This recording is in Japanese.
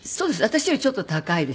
私よりちょっと高いですね。